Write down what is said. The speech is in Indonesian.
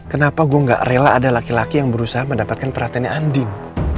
kenapa gue gak rela ada laki laki yang berusaha mendapatkan perhatiannya andin